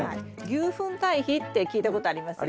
牛ふん堆肥って聞いたことあります？